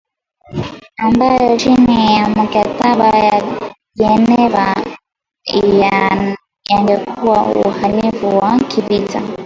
ambayo chini ya mikataba ya Geneva yangekuwa uhalifu wa kivita